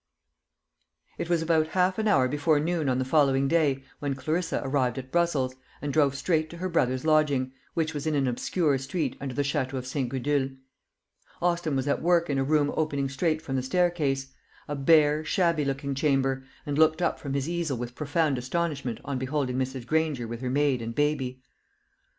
It was about half an hour before noon on the following day when Clarissa arrived at Brussels, and drove straight to her brother's lodging, which was in an obscure street under the shadow of St. Gudule. Austin was at work in a room opening straight from the staircase a bare, shabby looking chamber and looked up from his easel with profound astonishment on beholding Mrs. Granger with her maid and baby.